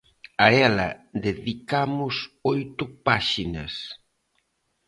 A ela dedicamos oito páxinas.